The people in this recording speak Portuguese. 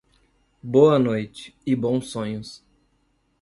Boa noite, e bons sonhos.